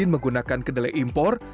izin menggunakan kedelai impor